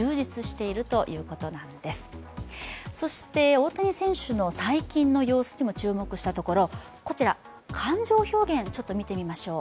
大谷選手の最近の様子を注目したところ、こちら、感情表現ちょっと見てみましょう。